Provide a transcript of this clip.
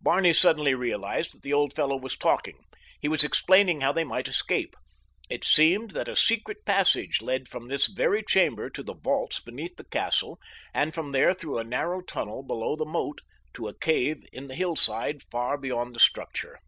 Barney suddenly realized that the old fellow was talking. He was explaining how they might escape. It seemed that a secret passage led from this very chamber to the vaults beneath the castle and from there through a narrow tunnel below the moat to a cave in the hillside far beyond the structure.